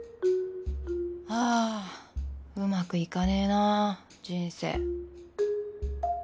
あうまくいかねえなぁ人生